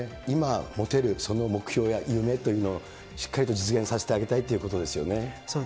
今、もてるその目標や夢というのをしっかりと実現させてあげたいといそうです。